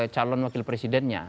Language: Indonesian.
calon wakil presidennya